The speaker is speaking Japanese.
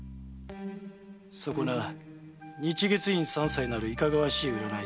そこな日月院三斎なるいかがわしい占い師は如何する？